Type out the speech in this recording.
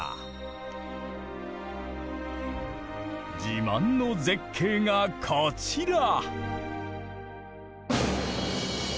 自慢の絶景がこちら！